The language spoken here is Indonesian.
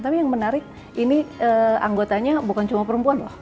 tapi yang menarik ini anggotanya bukan cuma perempuan loh